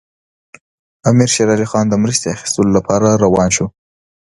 امیر شېر علي خان د مرستې اخیستلو لپاره روان شو.